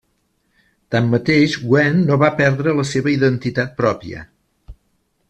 Tanmateix, Gwent no va perdre la seva identitat pròpia.